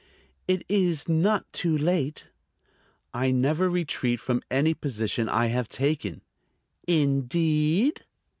"It is not too late." "I never retreat from any position I have taken." "Indeed?"